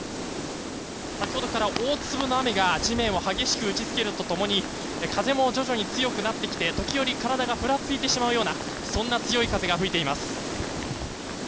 先ほどから大粒の雨が地面を激しく打ち付けると共に風も徐々に強くなってきて時折、体がふらついてしまうような強い風が吹いています。